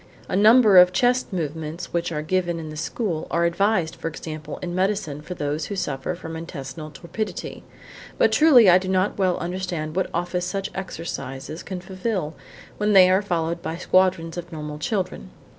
A number of chest movements which are given in the school are advised, for example, in medicine for those who suffer from intestinal torpidity, but truly I do not well understand what office such exercises can fulfil when they are followed by squadrons of normal children.